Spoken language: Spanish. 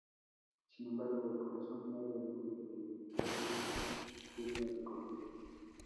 Sin embargo, el corazón muere antes de que el doctor Burke llegue a recogerlo.